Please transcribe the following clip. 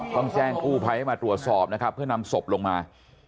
ต้องแจ้งกู้ภัยให้มาตรวจสอบนะครับเพื่อนำศพลงมา